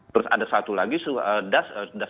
terus ada satu lagi